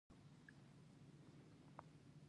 دغسې پۀ يوه ټپه کښې وائي: